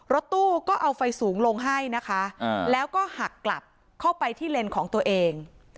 รถตู้ก็เอาไฟสูงลงให้นะคะแล้วก็หักกลับเข้าไปที่เลนของตัวเอง